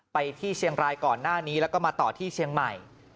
ไปที่เชียงรายก่อนหน้านี้แล้วก็มาต่อที่เชียงใหม่